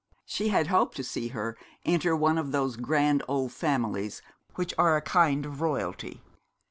She had hoped to see her enter one of those grand old families which are a kind of royalty.